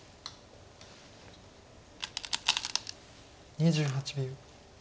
２８秒。